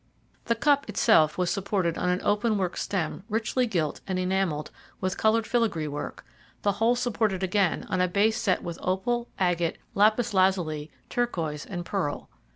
The cup itself was supported on an open work stem richly gilt and enamelled with coloured filigree work, the whole supported again on a base set with opal, agate, lapis lazuli, turquoise, and pearl.